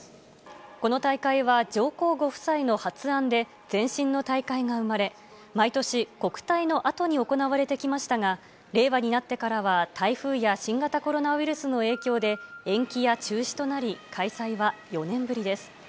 この大会は、上皇ご夫妻の発案で、前身の大会が生まれ、毎年、国体の後に行われてきましたが、令和になってからは台風や新型コロナウイルスの影響で延期や中止となり、開催は４年ぶりです。